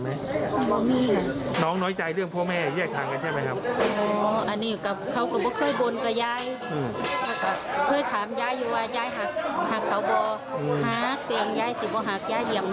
เมื่อเธอถามยายว่ายายหากตาย